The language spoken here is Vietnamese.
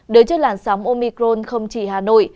đối chất làn sóng omicron không chỉ hà nội